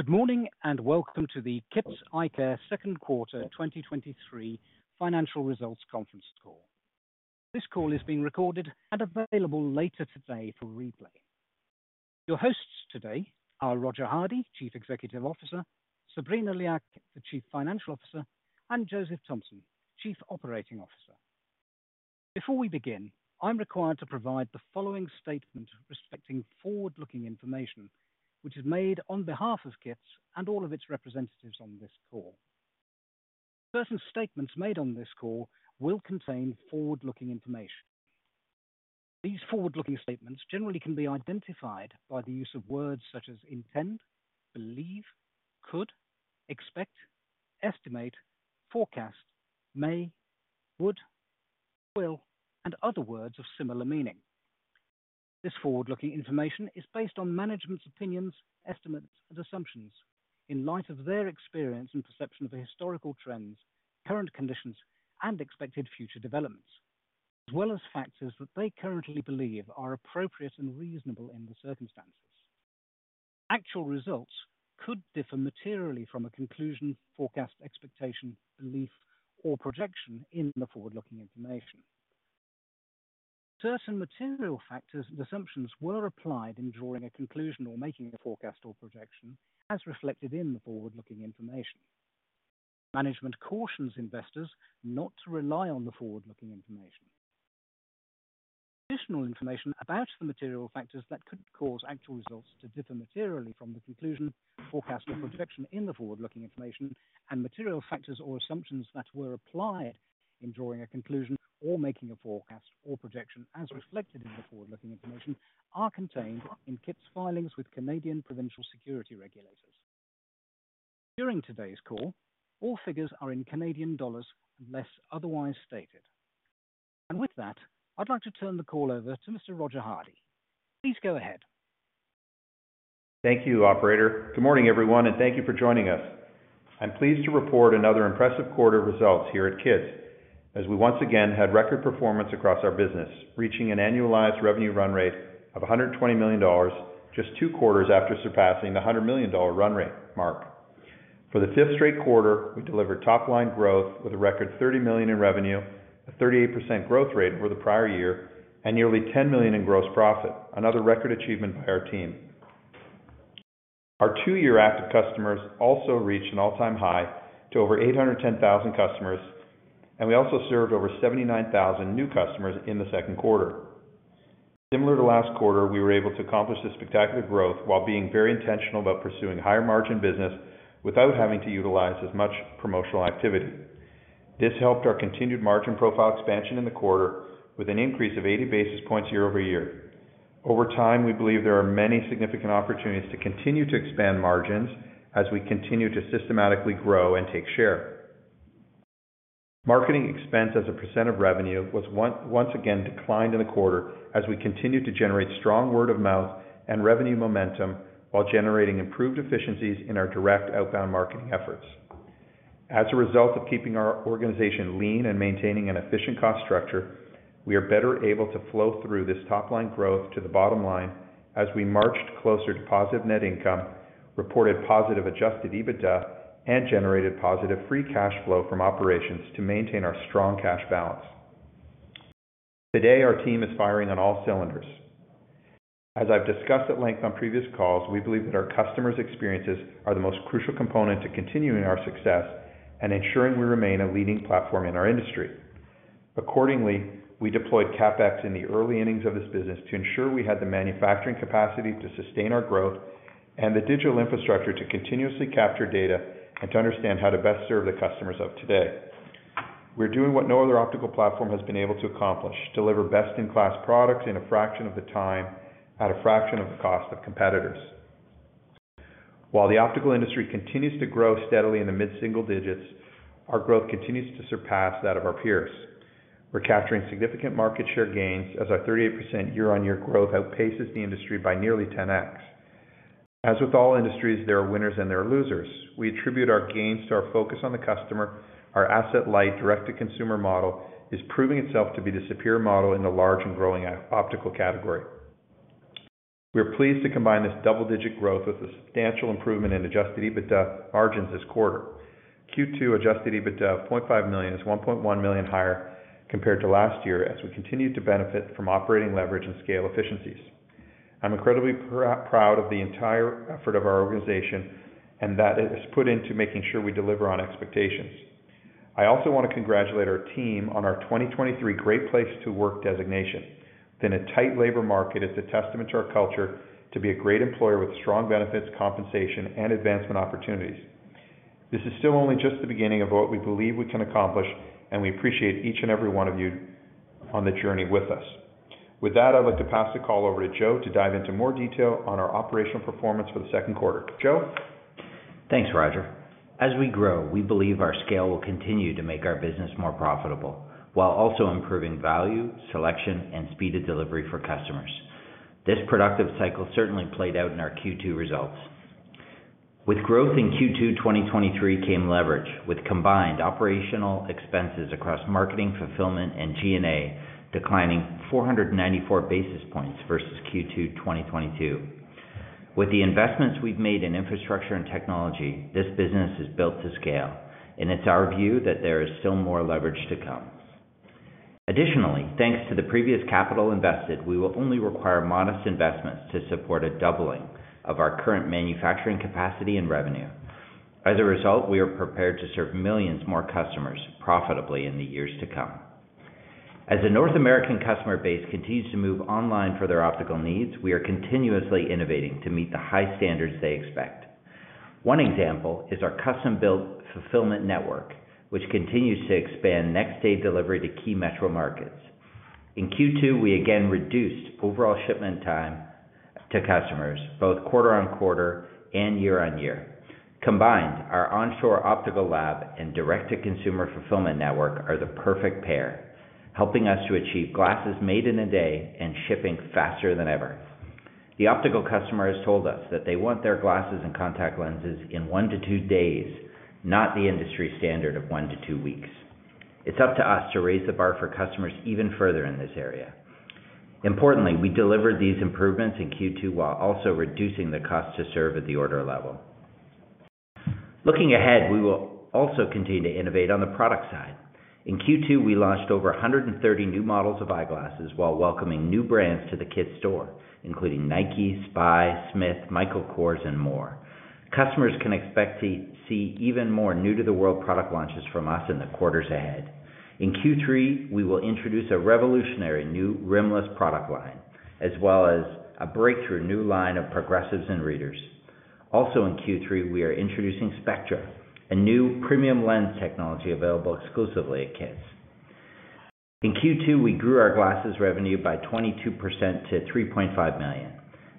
Good morning, and welcome to the KITS Eyecare Second Quarter 2023 Financial Results Conference Call. This call is being recorded and available later today for replay. Your hosts today are Roger Hardy, Chief Executive Officer, Sabrina Liak, the Chief Financial Officer, and Joseph Thompson, Chief Operating Officer. Before we begin, I'm required to provide the following statement respecting forward-looking information, which is made on behalf of KITS and all of its representatives on this call. Certain statements made on this call will contain forward-looking information. These forward-looking statements generally can be identified by the use of words such as intend, believe, could, expect, estimate, forecast, may, would, will, and other words of similar meaning. This forward-looking information is based on management's opinions, estimates, and assumptions in light of their experience and perception of the historical trends, current conditions, and expected future developments, as well as factors that they currently believe are appropriate and reasonable in the circumstances. Actual results could differ materially from a conclusion, forecast, expectation, belief, or projection in the forward-looking information. Certain material factors and assumptions were applied in drawing a conclusion or making the forecast or projection, as reflected in the forward-looking information. Management cautions investors not to rely on the forward-looking information. Additional information about the material factors that could cause actual results to differ materially from the conclusion, forecast, or projection in the forward-looking information and material factors or assumptions that were applied in drawing a conclusion or making a forecast or projection as reflected in the forward-looking information are contained in KITS' filings with Canadian provincial securities regulators. During today's call, all figures are in Canadian dollars unless otherwise stated. With that, I'd like to turn the call over to Mr. Roger Hardy. Please go ahead. Thank you, operator. Good morning, everyone, thank you for joining us. I'm pleased to report another impressive quarter of results here at KITS, as we once again had record performance across our business, reaching an annualized revenue run rate of 120 million dollars, just two quarters after surpassing the 100 million dollar run rate mark. For the fifth straight quarter, we delivered top-line growth with a record 30 million in revenue, a 38% growth rate over the prior year, and nearly 10 million in gross profit, another record achievement by our team. Our two-year active customers also reached an all-time high to over 810,000 customers, and we also served over 79,000 new customers in the second quarter. Similar to last quarter, we were able to accomplish this spectacular growth while being very intentional about pursuing higher margin business without having to utilize as much promotional activity. This helped our continued margin profile expansion in the quarter with an increase of 80 basis points year-over-year. Over time, we believe there are many significant opportunities to continue to expand margins as we continue to systematically grow and take share. Marketing expense as a percent of revenue was once again declined in the quarter as we continued to generate strong word of mouth and revenue momentum while generating improved efficiencies in our direct outbound marketing efforts. As a result of keeping our organization lean and maintaining an efficient cost structure, we are better able to flow through this top-line growth to the bottom line as we marched closer to positive net income, reported positive adjusted EBITDA, and generated positive free cash flow from operations to maintain our strong cash balance. Today, our team is firing on all cylinders. As I've discussed at length on previous calls, we believe that our customers' experiences are the most crucial component to continuing our success and ensuring we remain a leading platform in our industry. Accordingly, we deployed CapEx in the early innings of this business to ensure we had the manufacturing capacity to sustain our growth and the digital infrastructure to continuously capture data and to understand how to best serve the customers of today. We're doing what no other optical platform has been able to accomplish: deliver best-in-class products in a fraction of the time, at a fraction of the cost of competitors. While the optical industry continues to grow steadily in the mid-single digits, our growth continues to surpass that of our peers. We're capturing significant market share gains as our 38% year-over-year growth outpaces the industry by nearly 10x. As with all industries, there are winners and there are losers. We attribute our gains to our focus on the customer. Our asset-light, direct-to-consumer model is proving itself to be the superior model in the large and growing optical category. We are pleased to combine this double-digit growth with a substantial improvement in adjusted EBITDA margins this quarter. Q2 adjusted EBITDA of 0.5 million is 1.1 million higher compared to last year as we continued to benefit from operating leverage and scale efficiencies. I'm incredibly proud of the entire effort of our organization and that it has put into making sure we deliver on expectations. I also want to congratulate our team on our 2023 Great Place to Work designation. In a tight labor market, it's a testament to our culture to be a great employer with strong benefits, compensation, and advancement opportunities. This is still only just the beginning of what we believe we can accomplish, and we appreciate each and every one of you on the journey with us. With that, I'd like to pass the call over to Joe to dive into more detail on our operational performance for the second quarter. Joe? Thanks, Roger. As we grow, we believe our scale will continue to make our business more profitable while also improving value, selection, and speed of delivery for customers. This productive cycle certainly played out in our Q2 results. With growth in Q2 2023 came leverage, with combined operational expenses across marketing, fulfillment, and G&A declining 494 basis points versus Q2 2022. With the investments we've made in infrastructure and technology, this business is built to scale, and it's our view that there is still more leverage to come. Additionally, thanks to the previous capital invested, we will only require modest investments to support a doubling of our current manufacturing capacity and revenue. As a result, we are prepared to serve millions more customers profitably in the years to come. As the North American customer base continues to move online for their optical needs, we are continuously innovating to meet the high standards they expect. One example is our custom-built fulfillment network, which continues to expand next-day delivery to key metro markets. In Q2, we again reduced overall shipment time to customers, both quarter-on-quarter and year-on-year. Combined, our onshore optical lab and direct-to-consumer fulfillment network are the perfect pair, helping us to achieve glasses made in a day and shipping faster than ever. The optical customers told us that they want their glasses and contact lenses in 1-2 days, not the industry standard of 1-2 weeks. It's up to us to raise the bar for customers even further in this area. Importantly, we delivered these improvements in Q2, while also reducing the cost to serve at the order level. Looking ahead, we will also continue to innovate on the product side. In Q2, we launched over 130 new models of eyeglasses, while welcoming new brands to the KITS store, including Nike, Spy, Smith, Michael Kors, and more. Customers can expect to see even more new-to-the-world product launches from us in the quarters ahead. In Q3, we will introduce a revolutionary new rimless product line, as well as a breakthrough new line of progressives and readers. Also in Q3, we are introducing Spectra, a new premium lens technology available exclusively at KITS. In Q2, we grew our glasses revenue by 22% to $3.5 million.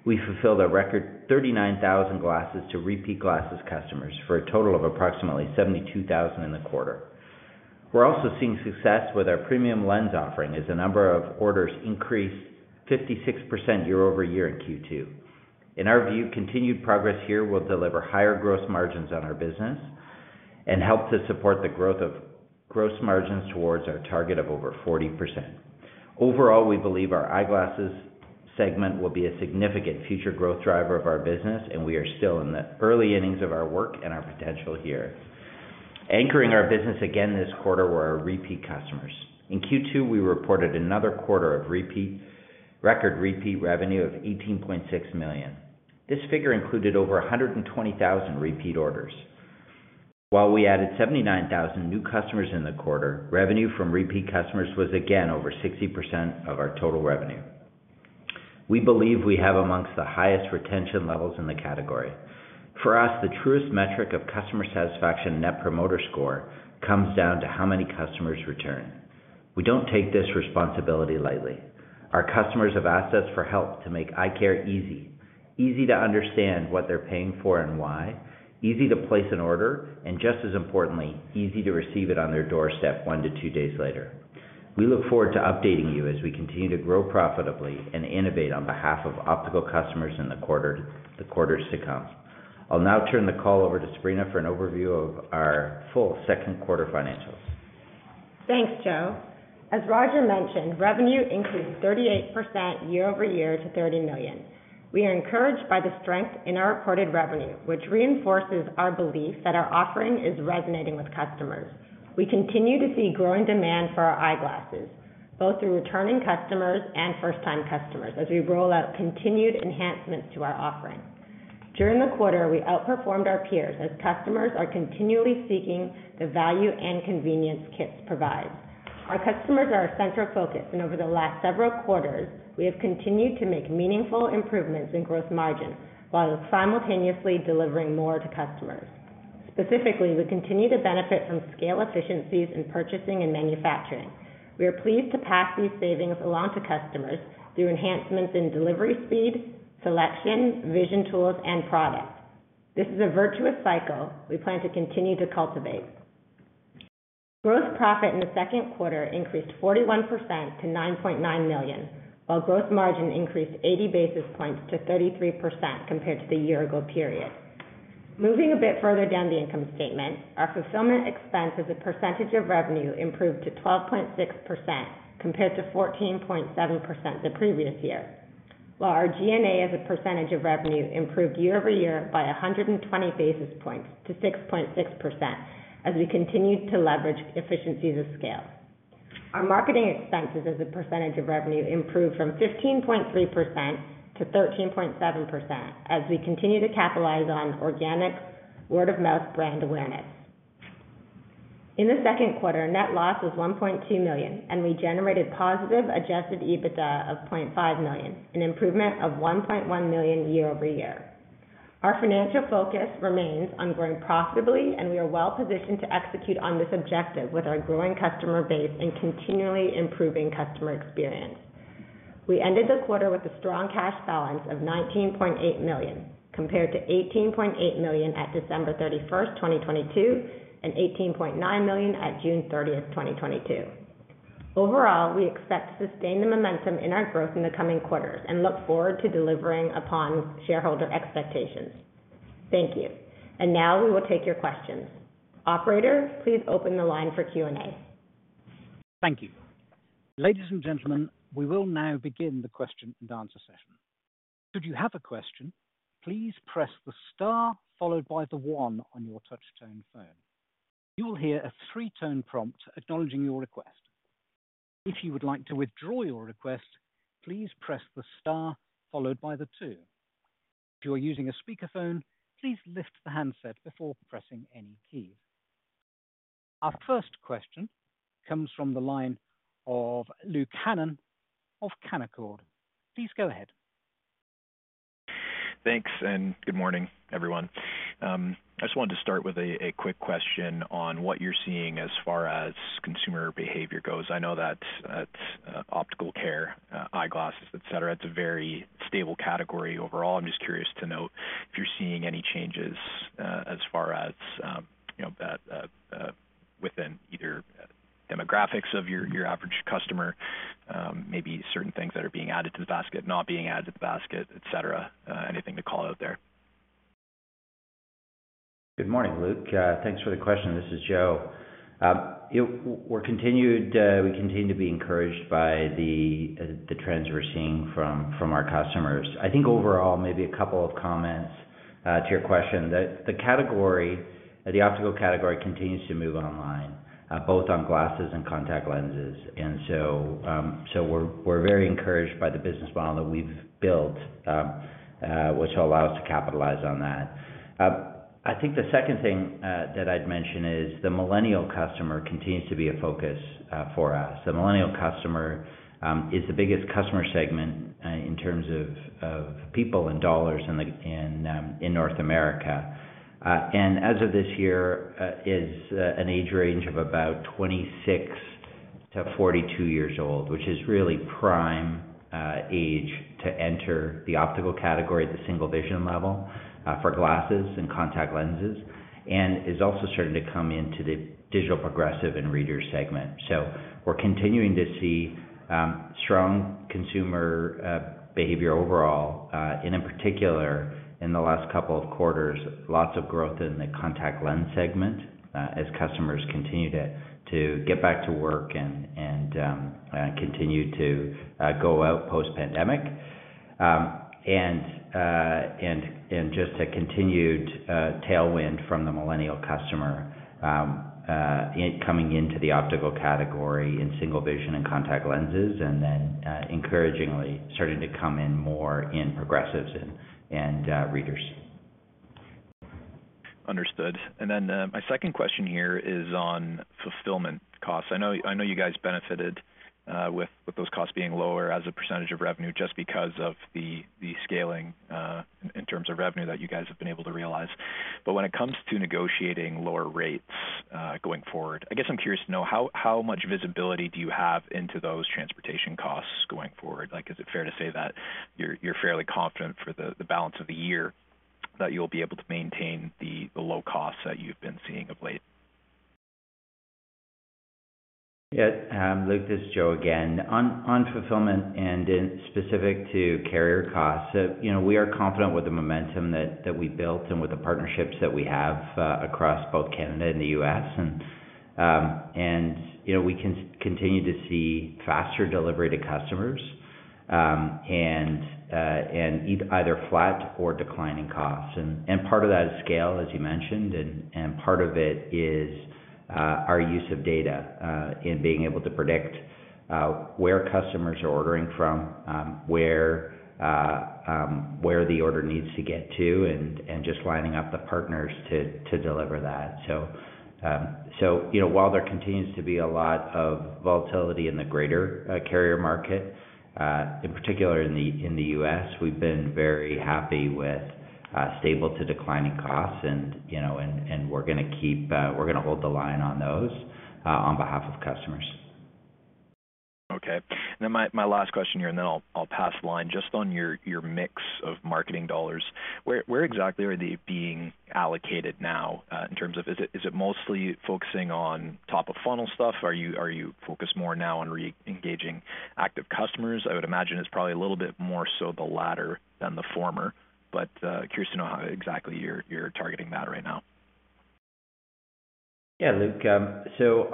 We fulfilled a record 39,000 glasses to repeat glasses customers, for a total of approximately 72,000 in the quarter. We're also seeing success with our premium lens offering, as the number of orders increased 56% year-over-year in Q2. In our view, continued progress here will deliver higher gross margins on our business and help to support the growth of gross margins towards our target of over 40%. Overall, we believe our eyeglasses segment will be a significant future growth driver of our business, and we are still in the early innings of our work and our potential here. Anchoring our business again this quarter were our repeat customers. In Q2, we reported another quarter of record repeat revenue of 18.6 million. This figure included over 120,000 repeat orders. While we added 79,000 new customers in the quarter, revenue from repeat customers was again over 60% of our total revenue. We believe we have amongst the highest retention levels in the category. For us, the truest metric of customer satisfaction net promoter score comes down to how many customers return. We don't take this responsibility lightly. Our customers have asked us for help to make eye care easy, easy to understand what they're paying for and why, easy to place an order, and just as importantly, easy to receive it on their doorstep one to two days later. We look forward to updating you as we continue to grow profitably and innovate on behalf of optical customers in the quarter, the quarters to come. I'll now turn the call over to Sabrina for an overview of our full second quarter financials. Thanks, Joe. As Roger mentioned, revenue increased 38% year-over-year to $30 million. We are encouraged by the strength in our reported revenue, which reinforces our belief that our offering is resonating with customers. We continue to see growing demand for our eyeglasses, both through returning customers and first-time customers, as we roll out continued enhancements to our offering. During the quarter, we outperformed our peers as customers are continually seeking the value and convenience KITS provides. Our customers are our central focus, and over the last several quarters, we have continued to make meaningful improvements in gross margin, while simultaneously delivering more to customers. Specifically, we continue to benefit from scale efficiencies in purchasing and manufacturing. We are pleased to pass these savings along to customers through enhancements in delivery speed, selection, vision tools, and product. This is a virtuous cycle we plan to continue to cultivate. Gross profit in the second quarter increased 41% to 9.9 million, while gross margin increased 80 basis points to 33% compared to the year ago period. Moving a bit further down the income statement, our fulfillment expense as a percentage of revenue improved to 12.6%, compared to 14.7% the previous year. While our G&A as a percentage of revenue improved year-over-year by 120 basis points to 6.6%, as we continued to leverage efficiencies of scale. Our marketing expenses as a percentage of revenue improved from 15.3% to 13.7%, as we continue to capitalize on organic word-of-mouth brand awareness. In the second quarter, net loss was 1.2 million, and we generated positive adjusted EBITDA of 0.5 million, an improvement of 1.1 million year-over-year. Our financial focus remains on growing profitably, and we are well positioned to execute on this objective with our growing customer base and continually improving customer experience. We ended the quarter with a strong cash balance of 19.8 million, compared to 18.8 million at December 31, 2022, and 18.9 million at June 30, 2022. Overall, we expect to sustain the momentum in our growth in the coming quarters, and look forward to delivering upon shareholder expectations. Thank you. Now we will take your questions. Operator, please open the line for Q&A. Thank you. Ladies and gentlemen, we will now begin the question and answer session. Should you have a question, please press the star followed by the one on your touchtone phone. You will hear a three-tone prompt acknowledging your request. If you would like to withdraw your request, please press the star followed by the two. If you are using a speakerphone, please lift the handset before pressing any key. Our first question comes from the line of Luke Hannan of Canaccord. Please go ahead. Thanks. Good morning, everyone. I just wanted to start with a quick question on what you're seeing as far as consumer behavior goes. I know that, that optical care, eyeglasses, et cetera, it's a very stable category overall. I'm just curious to know if you're seeing any changes as far as, you know, that within either demographics of your, your average customer, maybe certain things that are being added to the basket, not being added to the basket, et cetera. Anything to call out there? Good morning, Luke. Thanks for the question. This is Joe. You know, we're continued, we continue to be encouraged by the trends we're seeing from our customers. I think overall, maybe a couple of comments to your question. That the category, the optical category continues to move online, both on glasses and contact lenses. So we're, we're very encouraged by the business model that we've built, which will allow us to capitalize on that. I think the second thing that I'd mention is the millennial customer continues to be a focus for us. The millennial customer, is the biggest customer segment, in terms of people and dollars in the, in North America. As of this year, is an age range of about 26 to 42 years old, which is really prime age to enter the optical category at the single vision level for glasses and contact lenses, and is also starting to come into the digital progressive and reader segment. We're continuing to see strong consumer behavior overall, and in particular, in the last couple of quarters, lots of growth in the contact lens segment as customers continue to get back to work and, and continue to go out post-pandemic. Just a continued tailwind from the millennial customer in coming into the optical category in single vision and contact lenses, and then encouragingly starting to come in more in progressives and, and readers. Understood. Then, my second question here is on fulfillment costs. I know, I know you guys benefited, with those costs being lower as a % of revenue, just because of the scaling, in terms of revenue that you guys have been able to realize. When it comes to negotiating lower rates, going forward, I guess I'm curious to know how, how much visibility do you have into those transportation costs going forward? Like, is it fair to say that you're, you're fairly confident for the, the balance of the year, that you'll be able to maintain the, the low costs that you've been seeing of late? Yeah, Luke, this is Joe again. On, on fulfillment and in specific to carrier costs, you know, we are confident with the momentum that we built and with the partnerships that we have across both Canada and the US. You know, we can continue to see faster delivery to customers, and either flat or declining costs. Part of that is scale, as you mentioned, and part of it is our use of data in being able to predict where customers are ordering from, where the order needs to get to, and just lining up the partners to deliver that. You know, while there continues to be a lot of volatility in the greater carrier market, in particular in the US, we've been very happy with stable to declining costs and, you know, and we're gonna keep, we're gonna hold the line on those on behalf of customers. Okay. My, my last question here, and then I'll, I'll pass the line. Just on your, your mix of marketing dollars, where, where exactly are they being allocated now, in terms of... Is it, is it mostly focusing on top-of-funnel stuff? Are you, are you focused more now on re-engaging active customers? I would imagine it's probably a little bit more so the latter than the former, but, curious to know how exactly you're, you're targeting that right now? Yeah, Luke, so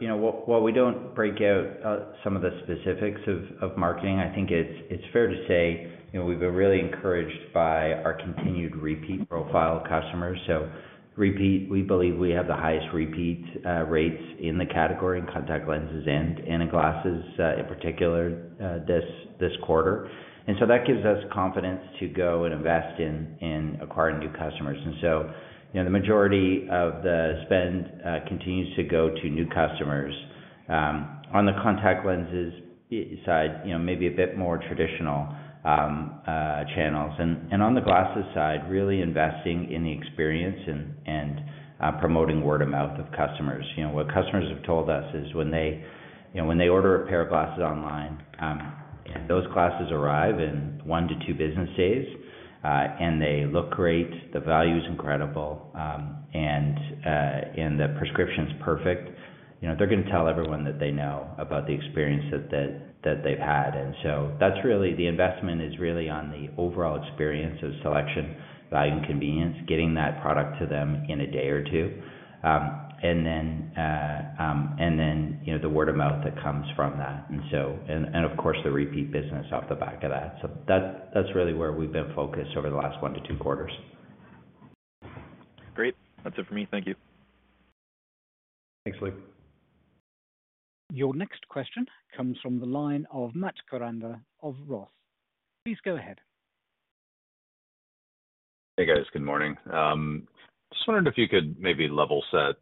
you know, while, while we don't break out some of the specifics of marketing, I think it's fair to say, you know, we've been really encouraged by our continued repeat profile customers. So repeat, we believe we have the highest repeat rates in the category in contact lenses and in glasses, in particular, this quarter. So that gives us confidence to go and invest in, in acquiring new customers. So, you know, the majority of the spend continues to go to new customers. On the contact lenses side, you know, maybe a bit more traditional channels. On the glasses side, really investing in the experience and promoting word-of-mouth of customers. You know, what customers have told us is when they, you know, when they order a pair of glasses online, those glasses arrive in 1 to 2 business days, and they look great, the value is incredible, and then, you know, the prescription's perfect, you know, they're gonna tell everyone that they know about the experience that, that, that they've had. So that's really, the investment is really on the overall experience of selection, value, and convenience, getting that product to them in a day or two. And then, and then, you know, the word-of-mouth that comes from that. So, and of course, the repeat business off the back of that. That, that's really where we've been focused over the last 1 to 2 quarters. Great. That's it for me. Thank you. Thanks, Luke. Your next question comes from the line of Matt Koranda of ROTH. Please go ahead. Hey, guys. Good morning. Just wondering if you could maybe level set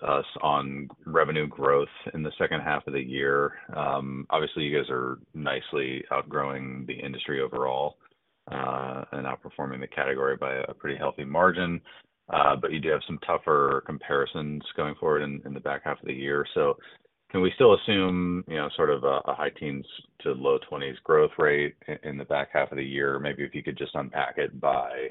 us on revenue growth in the second half of the year. Obviously, you guys are nicely outgrowing the industry overall and outperforming the category by a pretty healthy margin. You do have some tougher comparisons going forward in the back half of the year. Can we still assume, you know, sort of a high teens to low twenties growth rate in the back half of the year? Maybe if you could just unpack it by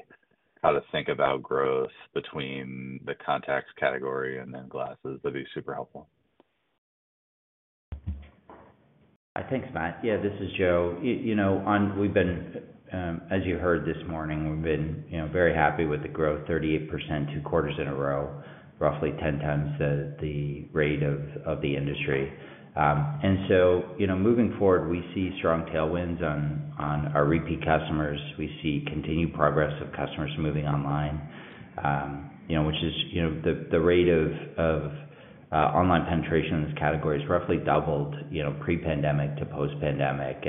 how to think about growth between the contacts category and then glasses, that'd be super helpful. Thanks, Matt. Yeah, this is Joe. You know, we've been, as you heard this morning, we've been, you know, very happy with the growth, 38%, 2 quarters in a row, roughly 10 times the rate of the industry. So, you know, moving forward, we see strong tailwinds on our repeat customers. We see continued progress of customers moving online. You know, which is, you know, the rate of online penetration in this category has roughly doubled, you know, pre-pandemic to post-pandemic.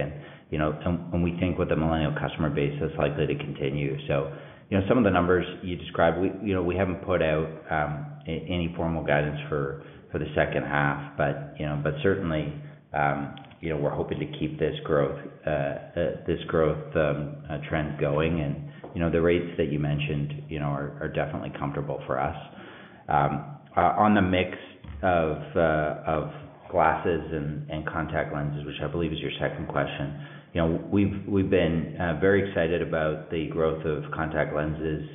You know, some. When we think with the millennial customer base, that's likely to continue. You know, some of the numbers you described, we, you know, we haven't put out any formal guidance for the second half. You know, but certainly, you know, we're hoping to keep this growth, this growth, trend going. You know, the rates that you mentioned, you know, are definitely comfortable for us. On the mix of glasses and contact lenses, which I believe is your second question. You know, we've, we've been very excited about the growth of contact lenses.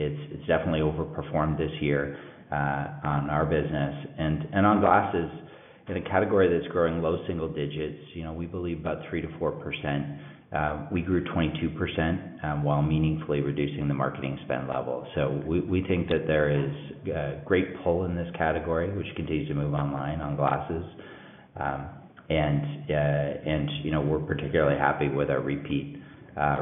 It's, it's definitely overperformed this year on our business. On glasses, in a category that's growing low single digits, you know, we believe about 3%-4%, we grew 22% while meaningfully reducing the marketing spend level. We, we think that there is great pull in this category, which continues to move online on glasses. you know, we're particularly happy with our repeat,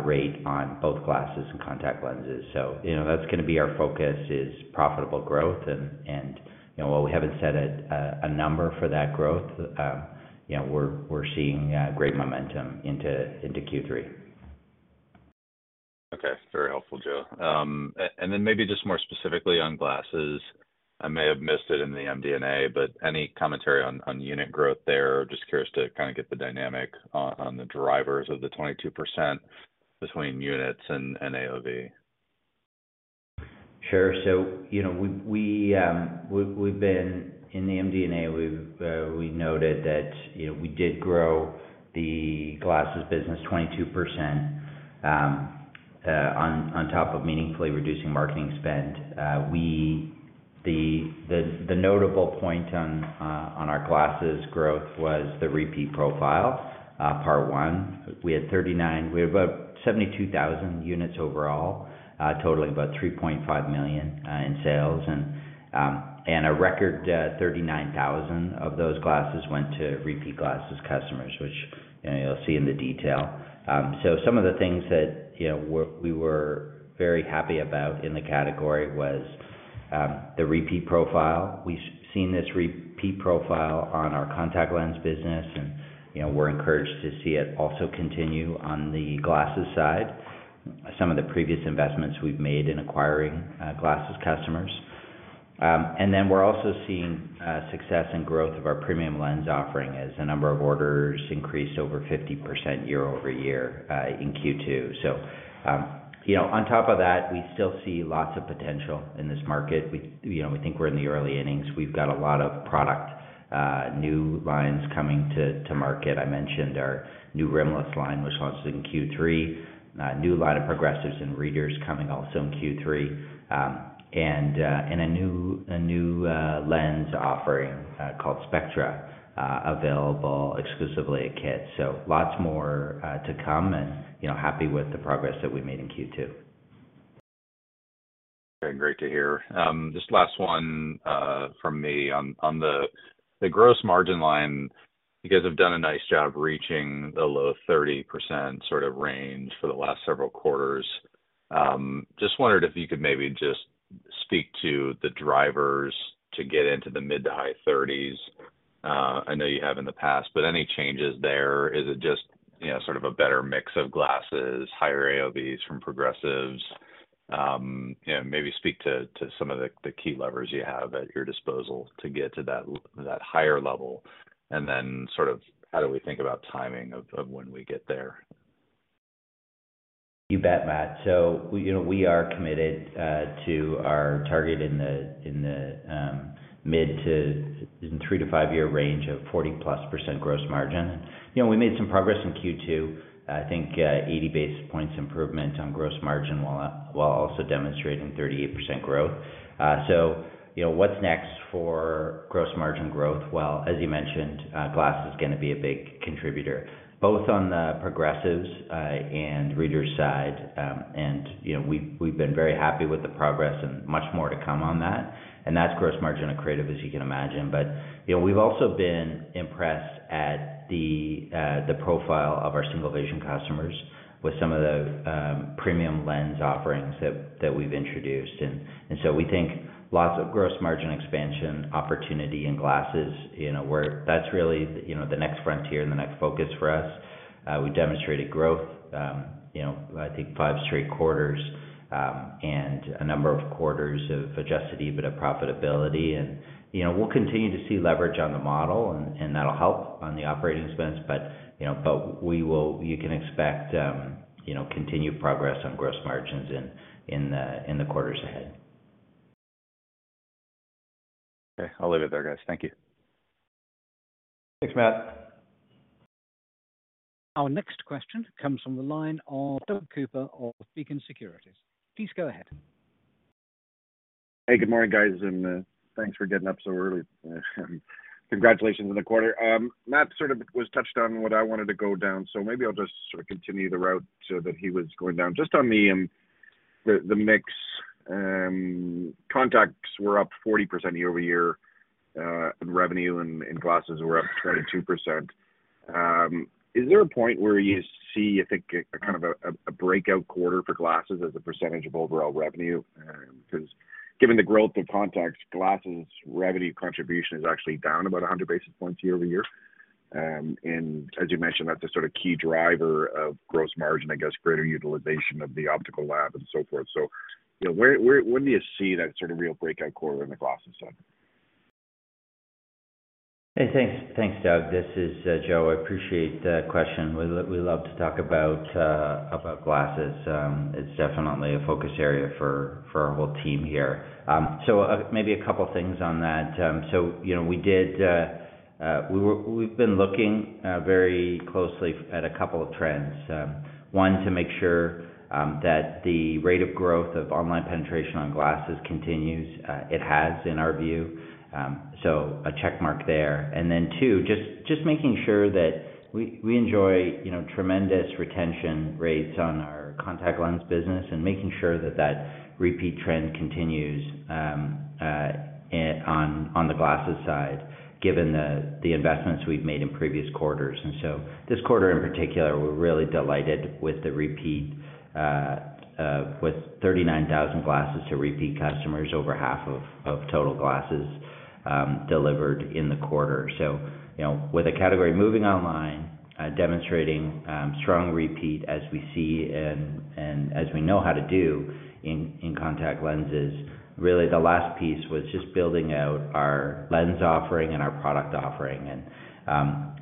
rate on both glasses and contact lenses. you know, that's gonna be our focus, is profitable growth, and, and, you know, while we haven't set a, a number for that growth, you know, we're, we're seeing, great momentum into, into Q3. Okay, very helpful, Joe. And then maybe just more specifically on glasses, I may have missed it in the MD&A, but any commentary on, on unit growth there? Just curious to kind of get the dynamic on, on the drivers of the 22% between units and, and AOV. Sure. So, you know, we, we, In the MD&A, we've, we noted that, you know, we did grow the glasses business 22%, on, on top of meaningfully reducing marketing spend. We, the, the, the notable point on, on our glasses growth was the repeat profile. Part one, we had about 72,000 units overall, totaling about 3.5 million in sales. A record, 39,000 of those glasses went to repeat glasses customers, which, you'll see in the detail. So some of the things that, you know, we're, we were very happy about in the category was, the repeat profile. We've seen this repeat profile on our contact lens business, and, you know, we're encouraged to see it also continue on the glasses side. Some of the previous investments we've made in acquiring glasses customers. Then we're also seeing success and growth of our premium lens offering, as the number of orders increased over 50% year-over-year in Q2. You know, on top of that, we still see lots of potential in this market. We, you know, we think we're in the early innings. We've got a lot of product, new lines coming to market. I mentioned our new rimless line, which launches in Q3, new line of progressives and readers coming also in Q3, and a new, a new lens offering called Spectra, available exclusively at KITS. Lots more to come and, you know, happy with the progress that we made in Q2. Very great to hear. Just last one from me. On the gross margin line, you guys have done a nice job reaching the low 30% sort of range for the last several quarters. I just wondered if you could maybe just speak to the drivers to get into the mid-to-high 30s. I know you have in the past, but any changes there? Is it just, you know, sort of a better mix of glasses, higher AOV from progressives? You know, maybe speak to some of the key levers you have at your disposal to get to that higher level. Sort of how do we think about timing of when we get there? You bet, Matt. You know, we are committed to our target in the 3-5-year range of 40+% gross margin. You know, we made some progress in Q2. I think, 80 basis points improvement on gross margin, while also demonstrating 38% growth. You know, what's next for gross margin growth? Well, as you mentioned, glass is gonna be a big contributor, both on the progressives and readers side. You know, we've, we've been very happy with the progress and much more to come on that, and that's gross margin accretive, as you can imagine. You know, we've also been impressed at the profile of our single vision customers with some of the premium lens offerings that, that we've introduced. We think lots of gross margin expansion, opportunity and glasses, where that's really the next frontier and the next focus for us. We demonstrated growth, I think 5 straight quarters, and a number of quarters of adjusted EBITDA profitability. We'll continue to see leverage on the model, and that'll help on the operating expense. You can expect continued progress on gross margins in the quarters ahead. Okay, I'll leave it there, guys. Thank you. Thanks, Matt. Our next question comes from the line of Doug Cooper of Beacon Securities. Please go ahead. Hey, good morning, guys, and thanks for getting up so early, and congratulations on the quarter. Matt sort of was touched on what I wanted to go down, so maybe I'll just sort of continue the route, so that he was going down. Just on the mix, contacts were up 40% year-over-year in revenue, and glasses were up 22%. Is there a point where you see, I think, a kind of a breakout quarter for glasses as a percentage of overall revenue? Because given the growth in contacts, glasses, revenue contribution is actually down about 100 basis points year-over-year. As you mentioned, that's the sort of key driver of gross margin, I guess, greater utilization of the optical lab and so forth. you know, when do you see that sort of real breakout quarter in the glasses side? Hey, thanks. Thanks, Doug. This is Joe. I appreciate the question. We love to talk about glasses. It's definitely a focus area for our whole team here. Maybe a couple things on that. You know, we did, we've been looking very closely at a couple of trends. One, to make sure that the rate of growth of online penetration on glasses continues. It has, in our view, a check mark there. Two, just making sure that we enjoy, you know, tremendous retention rates on our contact lens business, and making sure that that repeat trend continues in, on, on the glasses side, given the investments we've made in previous quarters. This quarter, in particular, we're really delighted with the repeat, with 39,000 glasses to repeat customers, over half of total glasses delivered in the quarter. You know, with the category moving online, demonstrating strong repeat as we see and as we know how to do in contact lenses. Really, the last piece was just building out our lens offering and our product offering.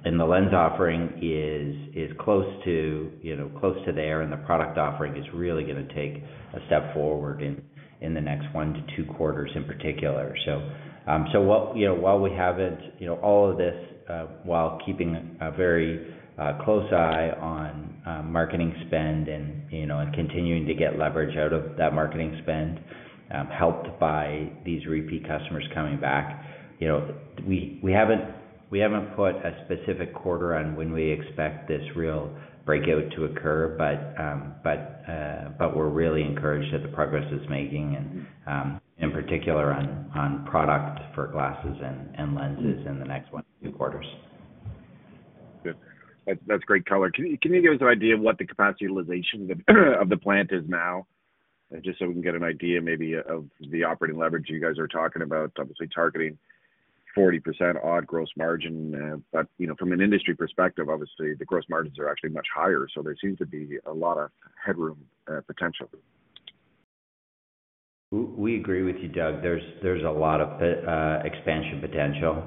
And the lens offering is close to, you know, close to there, and the product offering is really gonna take a step forward in the next 1-2 quarters, in particular. What... You know, while we haven't, you know, all of this, while keeping a very close eye on marketing spend and, you know, and continuing to get leverage out of that marketing spend, helped by these repeat customers coming back. You know, we, we haven't, we haven't put a specific quarter on when we expect this real breakout to occur, but, but we're really encouraged that the progress is making and in particular on product for glasses and lenses in the next one to two quarters. Good. That's, that's great color. Can you, can you give us an idea of what the capacity utilization of the, of the plant is now? Just so we can get an idea, maybe, of the operating leverage you guys are talking about. Obviously, targeting 40% odd gross margin, but, you know, from an industry perspective, obviously, the gross margins are actually much higher, so there seems to be a lot of headroom, potentially. We, we agree with you, Doug. There's, there's a lot of expansion potential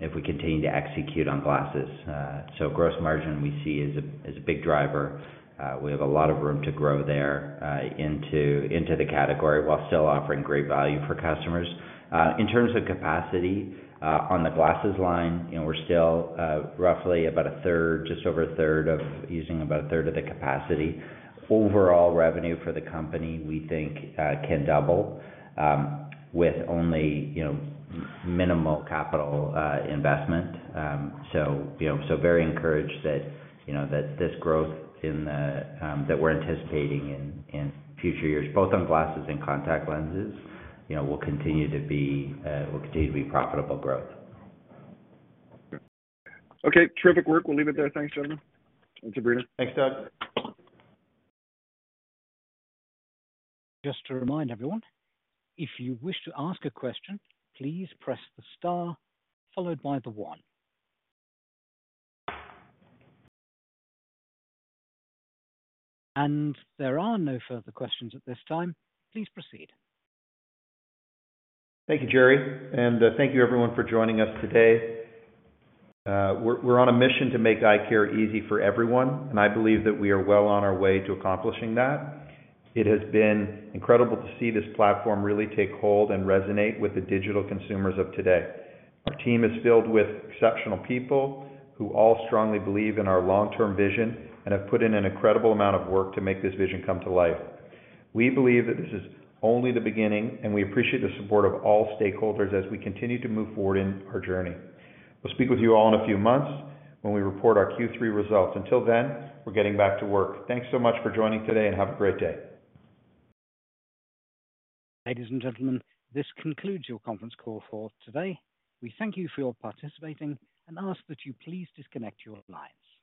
if we continue to execute on glasses. Gross margin, we see, is a, is a big driver. We have a lot of room to grow there, into, into the category, while still offering great value for customers. In terms of capacity, on the glasses line, you know, we're still roughly about one third, just over one third. Using about one third of the capacity. Overall revenue for the company, we think, can double with only, you know, minimal capital investment. You know, so very encouraged that, you know, that this growth in the that we're anticipating in, in future years, both on glasses and contact lenses, you know, will continue to be, will continue to be profitable growth. Okay, terrific work. We'll leave it there. Thanks, gentlemen. Thanks, Doug. Just to remind everyone, if you wish to ask a question, please press the star followed by the 1. There are no further questions at this time. Please proceed. Thank you, Jerry, and, thank you, everyone, for joining us today. We're, we're on a mission to make eye care easy for everyone, and I believe that we are well on our way to accomplishing that. It has been incredible to see this platform really take hold and resonate with the digital consumers of today. Our team is filled with exceptional people who all strongly believe in our long-term vision and have put in an incredible amount of work to make this vision come to life. We believe that this is only the beginning, and we appreciate the support of all stakeholders as we continue to move forward in our journey. We'll speak with you all in a few months when we report our Q3 results. Until then, we're getting back to work. Thanks so much for joining today, and have a great day. Ladies and gentlemen, this concludes your conference call for today. We thank you for participating and ask that you please disconnect your lines.